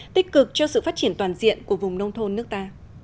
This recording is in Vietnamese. tích cực cho sự phát triển toàn diện của vùng nông thôn nước ta